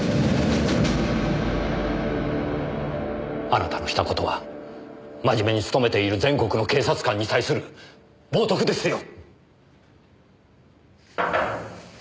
あなたのした事は真面目につとめている全国の警察官に対する冒涜ですよ！